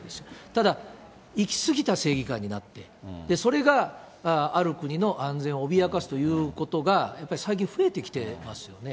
ただ、行き過ぎた正義感になって、それがある国の安全を脅かすということが、やっぱり最近、増えてきてますよね。